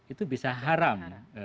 itu bisa haram